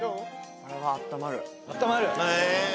これはあったまる